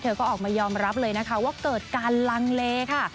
ก็ออกมายอมรับเลยนะคะว่าเกิดการลังเลค่ะ